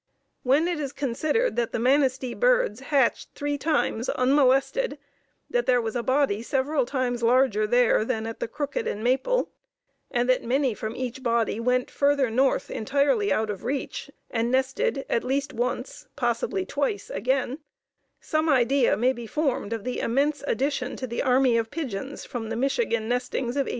When it is considered that the Manistee birds hatched three times unmolested, that there was a body several times larger there, than at the Crooked and Maple, and that many from each body went further north entirely out of reach and nested at least once, possibly twice again, some idea may be formed of the immense addition to the army of pigeons from the Michigan nestings of 1878.